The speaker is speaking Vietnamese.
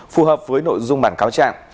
phù hợp với nội dung bản cáo trạng